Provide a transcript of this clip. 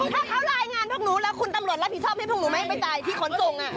ถ้าเขารายงานพวกหนูแล้วคุณตำรวจรับผิดชอบให้พวกหนูไม่ไปจ่ายที่ขนส่ง